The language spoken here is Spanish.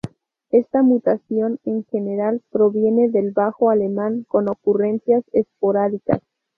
Esta mutación en general proviene del bajo alemán con ocurrencias esporádicas.